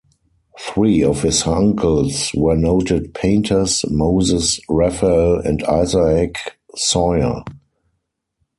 Three of his uncles were noted painters, Moses, Raphael, and Isaac Soyer.